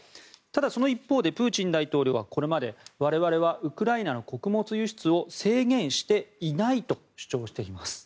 ただ、その一方でプーチン大統領はこれまで我々はウクライナの穀物輸出を制限していないと主張しています。